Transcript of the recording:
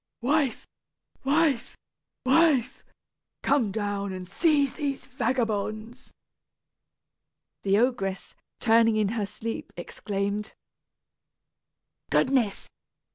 "Wife, wife, wife, come down and seize these vagabonds!" The ogress, turning in her sleep, exclaimed, "Goodness!